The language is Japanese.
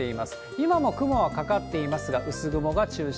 今も雲はかかっていますが、薄雲が中心。